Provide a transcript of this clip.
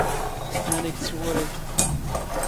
ⵎⴰⵏⵉ ⴳ ⵜⵙⵡⵓⵔⵉⴷ?